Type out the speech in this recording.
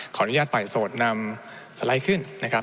ขออนุญาตฝ่ายโสดนำสไลด์ขึ้น